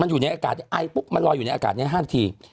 อยู่ในอากาศไอปุ๊บมันลอยอยู่ในอากาศในห้างที